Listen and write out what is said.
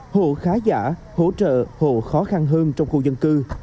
hộ khá giả hỗ trợ hộ khó khăn hơn trong khu dân cư